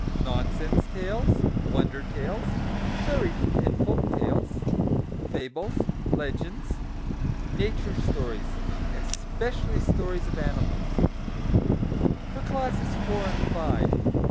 Nonsense Tales Wonder Tales Fairy and Folk Tales Fables Legends Nature Stories (especially stories of animals) FOR CLASSES IV. AND V.